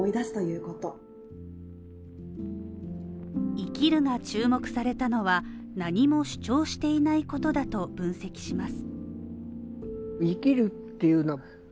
「生きる」が注目されたのは、何も主張していないことだと分析します。